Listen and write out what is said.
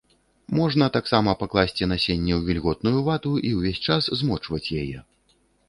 Можна таксама пакласці насенне ў вільготную вату і ўвесь час змочваць яе.